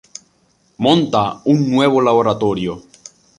Monta un nuevo laboratorio.